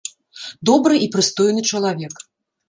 Добры і прыстойны чалавек.